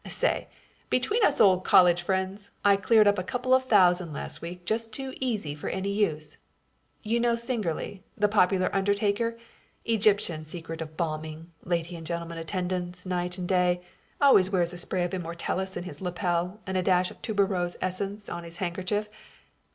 Say, between us old college friends, I cleared up a couple of thousand last week just too easy for any use. You know Singerly, the popular undertaker, Egyptian secret of embalming, lady and gentleman attendants, night and day, always wears a spray of immortelles in his lapel and a dash of tuberose essence on his handkerchief.